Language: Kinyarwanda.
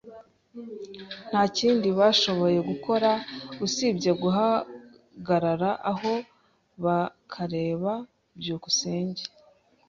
Nta kindi bashoboye gukora usibye guhagarara aho bakareba. byukusenge